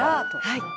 「はい」